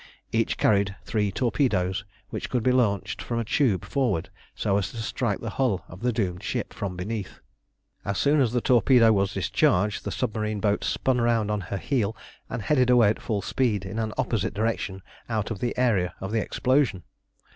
Each carried three torpedoes, which could be launched from a tube forward so as to strike the hull of the doomed ship from beneath. As soon as the torpedo was discharged the submarine boat spun round on her heel and headed away at full speed in an opposite direction out of the area of the explosion.